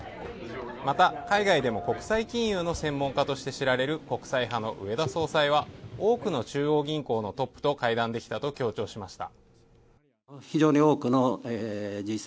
また、海外でも国際金融の専門家として知られる国際派の植田総裁は、多くの中央銀行のトップと会談できたと強調しました。